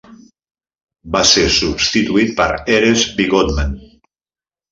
Va ser substituït per Erez Vigodman.